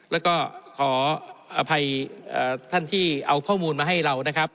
แล้วก็ขออภัยท่านที่เอาข้อมูลมาให้เรานะครับ